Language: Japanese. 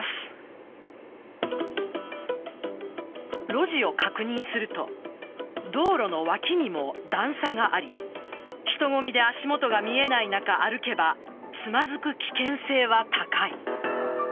路地を確認すると道路の脇にも段差があり人混みで足元が見えない中歩けばつまずく危険性は高い。